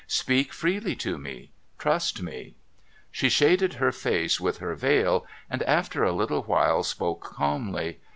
Speak freely to me. Trust me.' She shaded her face with her veil, and after a little while spoke calmly.